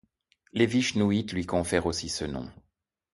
Les vishnouïtes lui confèrent aussi ce nom.